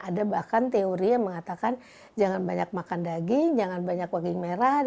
ada bahkan teori yang mengatakan jangan banyak makan daging jangan banyak daging merah